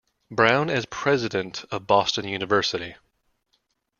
Brown as president of Boston University.